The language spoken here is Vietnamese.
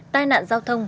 tai nạn giao thông